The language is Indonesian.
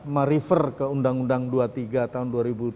merifer ke undang undang dua puluh tiga tahun